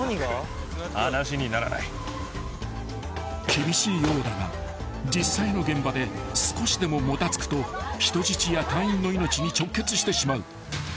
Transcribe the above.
［厳しいようだが実際の現場で少しでももたつくと人質や隊員の命に直結してしまう］